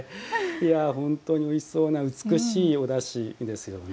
本当においしそうな美しいおだしですよね。